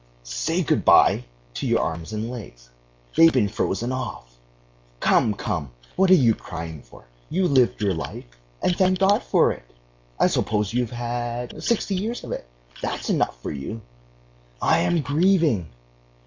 "Say good by to your arms and legs.... They've been frozen off. Come, come!... What are you crying for? You've lived your life, and thank God for it! I suppose you have had sixty years of it that's enough for you!..." "I am grieving....